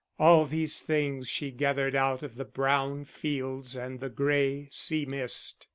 All these things she gathered out of the brown fields and the grey sea mist.